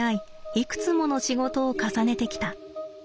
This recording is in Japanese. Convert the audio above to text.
いくつもの仕事を重ねてきた。